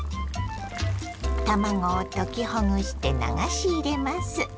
卵を溶きほぐして流し入れます。